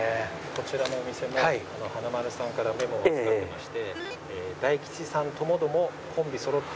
こちらのお店も華丸さんからメモを預かってまして。